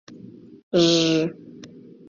Ж-ж-ж!..